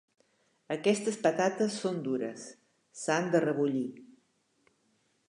Aquestes patates són dures: s'han de rebullir.